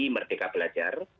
visi merdeka belajar